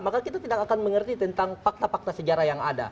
maka kita tidak akan mengerti tentang fakta fakta sejarah yang ada